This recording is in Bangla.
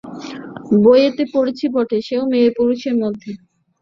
বইয়েতে পড়েছি বটে, সেও মেয়ে পুরুষের মধ্যে।